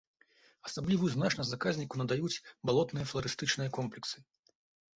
Асаблівую значнасць заказніку надаюць балотныя фларыстычныя комплексы.